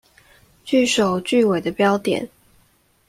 句首句尾的標點